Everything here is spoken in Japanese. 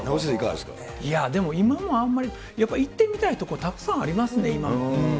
いやでも、今もあんまり、行ってみたいとこたくさんありますね、今も。